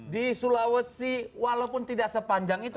di sulawesi walaupun tidak sepanjang itu